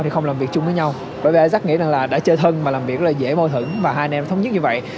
thì không làm việc chung với nhau bởi vì isaac nghĩ là đã chơi thân và làm việc là dễ mô thửng và hai anh em thống nhất như vậy